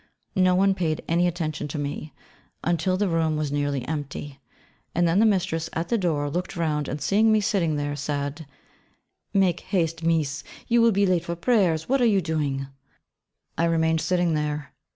No one paid any attention to me, until the room was nearly empty, and then the mistress at the door looked round, and seeing me sitting there, said, 'Make haste, Mees; you will be late for prayers: what are you doing?' I remained sitting there.